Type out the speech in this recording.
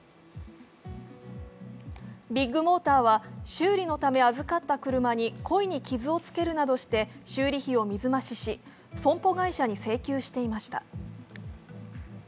ビッグモーターは、修理のため預かった車に故意に傷をつけるなどして修理費を水増しし、損保会社に請求していました。